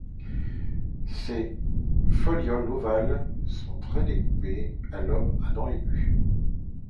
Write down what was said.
Ses folioles ovales sont très découpées, à lobes et dents aigus.